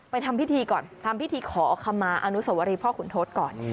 ทำพิธีก่อนทำพิธีขอคำมาอนุสวรีพ่อขุนทศก่อน